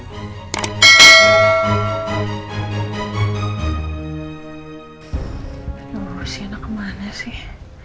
nelur si anak kemana sih